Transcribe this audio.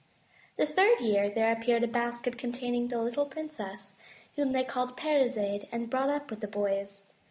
The third year there appeared a third basket containing the little princess, whom they called Parizade and brought up with the boys.